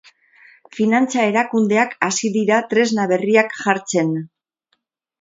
Finantza erakundeak hasi dira tresna berriak jartzen.